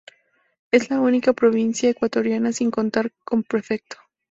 Es la única provincia ecuatoriana sin contar con prefecto.